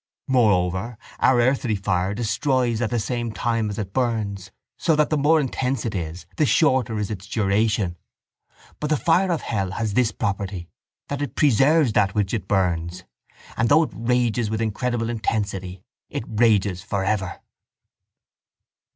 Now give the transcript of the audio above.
Moreover, our earthly fire destroys at the same time as it burns so that the more intense it is the shorter is its duration; but the fire of hell has this property that it preserves that which it burns and though it rages with incredible intensity it rages for ever.